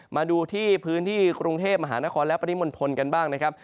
มาดูที่พื้นที่กรุงเทพมหานครและปริมณฑลกันบ้างนะครับ